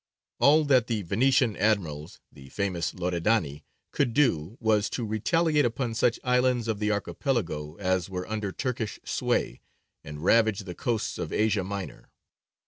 All that the Venetian admirals, the famous Loredani, could do was to retaliate upon such islands of the Archipelago as were under Turkish sway and ravage the coasts of Asia Minor.